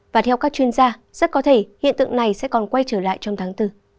và theo các chuyên gia rất có thể hiện tượng này sẽ còn quay trở lại trong tháng bốn